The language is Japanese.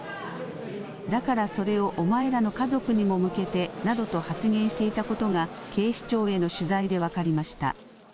だからそれをお前らの家族にも向けてなどと発言していたことが、警視庁への取材で分かりました。